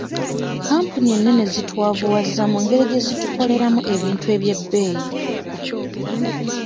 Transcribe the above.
Kampuni ennene zitwavuwaza mu ngeri gye zitukoleramu ebintu eby'ebbeeyi.